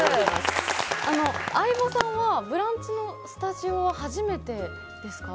相葉さんは「ブランチ」のスタジオは初めてですか？